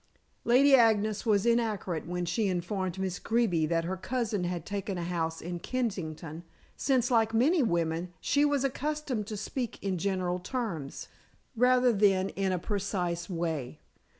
Lady Agnes was inaccurate when she informed Miss Greeby that her cousin had taken a house in Kensington, since, like many women, she was accustomed to speak in general terms, rather than in a precise way.